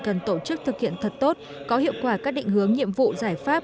cần tổ chức thực hiện thật tốt có hiệu quả các định hướng nhiệm vụ giải pháp